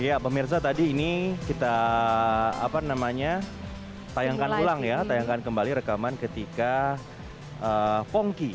ya pemirsa tadi ini kita tayangkan ulang ya tayangkan kembali rekaman ketika pongki